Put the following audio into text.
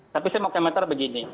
tapi saya mau kemeter begini